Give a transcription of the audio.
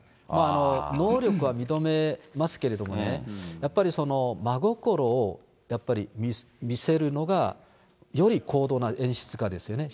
能力は認めますけれどもね、やっぱり真心をやっぱり見せるのが、より高度な演出家ですよね。